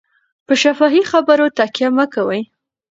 په شفاهي خبرو تکیه مه کوئ.